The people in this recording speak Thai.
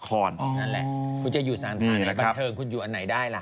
นั่นแหละคุณจะอยู่สถานะบันเทิงคุณอยู่อันไหนได้ล่ะ